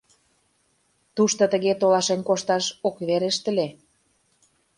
Тушто тыге толашен кошташ ок верешт ыле...